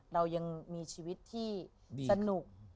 เรายังมีชีวิตที่สนุก